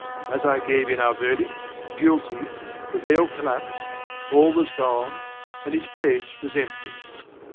As I gave in our verdict 'Guilty', the veil collapsed, all was gone, and his place was empty.